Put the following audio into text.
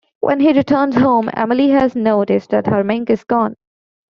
When he returns home, Emily has noticed that her mink is gone.